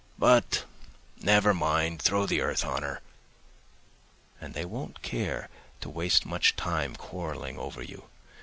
But, never mind, throw the earth on her.' And they won't care to waste much time quarrelling over you.